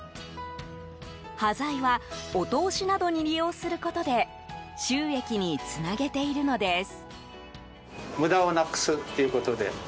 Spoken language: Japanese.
端材はお通しなどに利用することで収益につなげているのです。